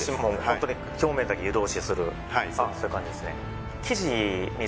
ホントに表面だけ湯通しするそういう感じですね